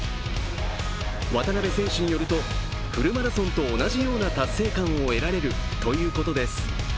渡辺選手によると、フルマラソンと同じような達成感を得られるということです。